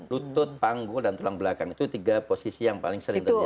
lutut panggul dan tulang belakang itu tiga posisi yang paling sering terjadi